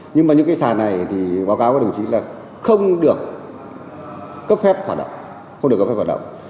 nhưng mà những cái sản này thì báo cáo với đồng chí là không được cấp phép hoạt động